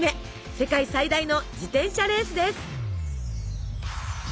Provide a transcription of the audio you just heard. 世界最大の自転車レースです。